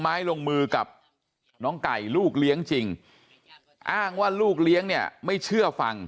ไม้ลงมือกับน้องไก่ลูกเลี้ยงจริงอ้างว่าลูกเลี้ยงเนี่ยไม่เชื่อฟัง